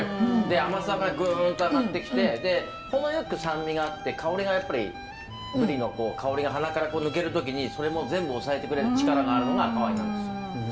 で甘さがグンと上がってきてで程よく酸味があって香りがやっぱりブリの香りが鼻から抜ける時にそれも全部抑えてくれる力があるのが赤ワインなんですよ。